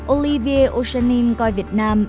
olivier ochanin coi việt nam